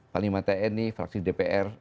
panglima te ini fraksi dpr